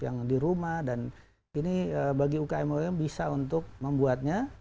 yang di rumah dan ini bagi ukm ukm bisa untuk membuatnya